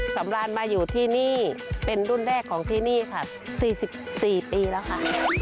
สำราญมาอยู่ที่นี่เป็นรุ่นแรกของที่นี่ค่ะ๔๔ปีแล้วค่ะ